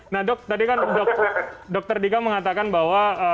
nah dok tadi kan dokter dika mengatakan bahwa